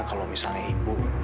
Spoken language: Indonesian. kalau misalnya ibu